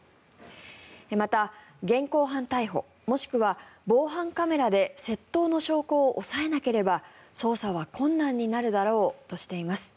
また、現行犯逮捕もしくは防犯カメラで窃盗の証拠を押さえなければ捜査は困難になるだろうとしています。